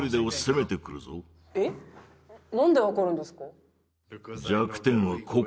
何で分かるんですか？